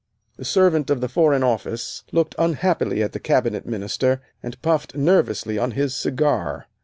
The servant of the Foreign Office looked unhappily at the Cabinet Minister, and puffed nervously on his cigar.